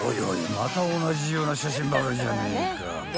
また同じような写真ばかりじゃねえか］